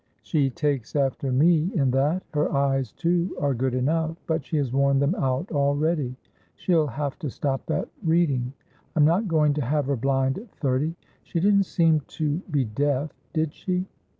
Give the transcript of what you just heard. "She takes after me in that. Her eyes, too, are good enough, but she has worn them out already. She'll have to stop that reading; I am not going to have her blind at thirty. She didn't seem to be deaf, did she?"